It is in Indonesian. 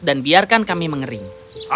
dan biarkan kami mengering